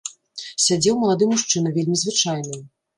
Сядзеў малады мужчына, вельмі звычайны.